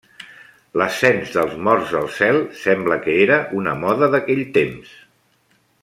L'ascens dels morts al cel sembla que era una moda d'aquell temps.